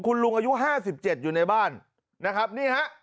คุณลุงอายุห้าสิบเจ็ดอยู่ในบ้านนะครับนี่ฮะ